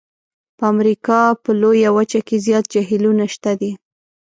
په امریکا په لویه وچه کې زیات جهیلونه شته دي.